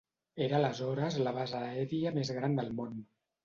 Era aleshores la base aèria més gran del món.